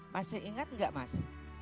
masih ingat enggak mas